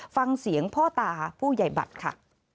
ฟังเสียงพ่อตาผู้ใหญ่บัตรค่ะ